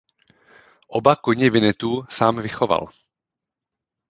Oba koně Vinnetou sám vychoval.